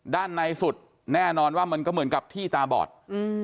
ด้านในสุดแน่นอนว่ามันก็เหมือนกับที่ตาบอด